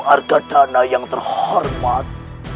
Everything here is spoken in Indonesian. argadana yang terhormat